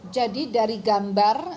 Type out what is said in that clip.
jadi dari gambar